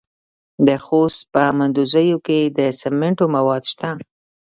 د خوست په مندوزیو کې د سمنټو مواد شته.